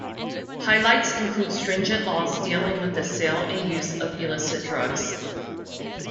Highlights include stringent laws dealing with the sale and use of illicit drugs.